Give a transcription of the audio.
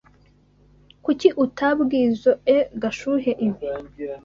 Kuki utabwizoe Gashuhe ibi?